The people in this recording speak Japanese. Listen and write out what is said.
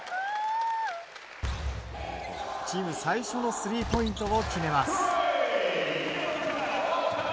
チーム最初のスリーポイントを決めます。